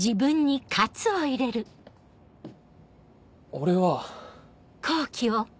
俺は。